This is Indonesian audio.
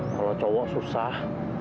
kalau cowok susah